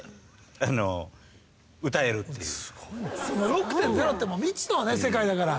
６．０ってもう未知の世界だから。